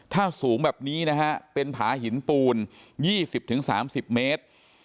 ถ้าสูงแบบนี้นะฮะเป็นผาหินปูน๒๐๓๐เมตร